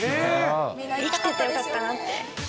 生きててよかったなって。